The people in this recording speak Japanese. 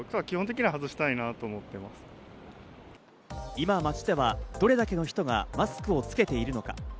今、街ではどれだけの人がマスクをつけているのか？